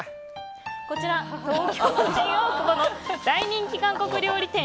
こちら、東京・新大久保の大人気韓国料理店